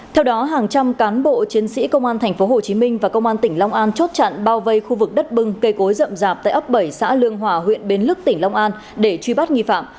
theo đó hàng trăm cán bộ chiến sĩ công an tp hcm và công an tỉnh long an chốt chặn bao vây khu vực đất bưng cây cối rậm rạp tại ấp bảy xã lương hòa huyện bến lức tỉnh long an để truy bắt nghi phạm